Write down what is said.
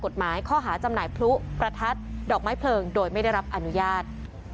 กฎหมายข้อหาจำหน่ายพลุประทัดดอกไม้เพลิงโดยไม่ได้รับอนุญาต